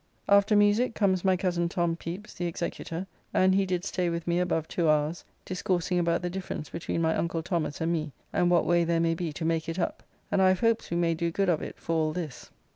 After musique comes my cozen Tom Pepys the executor, and he did stay with me above two hours discoursing about the difference between my uncle Thomas and me, and what way there may be to make it up, and I have hopes we may do good of it for all this.